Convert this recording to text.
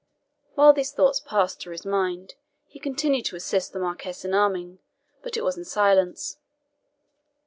While these thoughts passed through his mind, he continued to assist the Marquis in arming, but it was in silence.